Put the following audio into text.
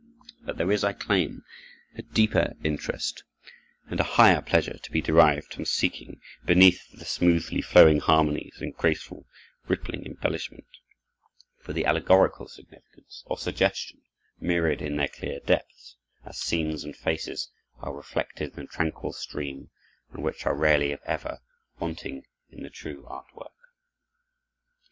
But there is, I claim, a deeper interest and a higher pleasure to be derived from seeking, beneath the smoothly flowing harmonies and graceful, rippling embellishment, for the allegorical significance or suggestion mirrored in their clear depths, as scenes and faces are reflected in the tranquil stream, and which are rarely, if ever, wanting in the true art work.